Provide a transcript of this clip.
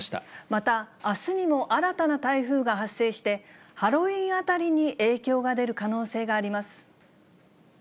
また、あすにも新たな台風が発生して、ハロウィーンあたりに影響が出る可能性があります。